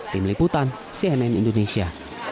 tim liputan cnn indonesia